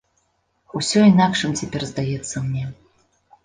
Усё інакшым цяпер здаецца мне.